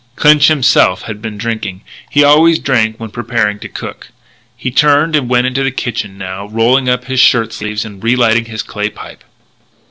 Clinch himself had been drinking. He always drank when preparing to cook. He turned and went into the kitchen now, rolling up his shirt sleeves and relighting his clay pipe.